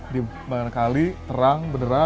di mana kali terang